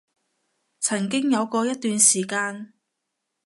曾經有過一段時間